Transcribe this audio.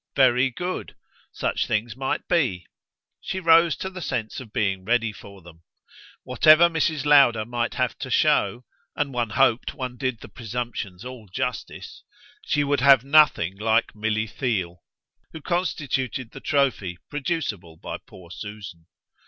Very good; such things might be; she rose to the sense of being ready for them. Whatever Mrs. Lowder might have to show and one hoped one did the presumptions all justice she would have nothing like Milly Theale, who constituted the trophy producible by poor Susan.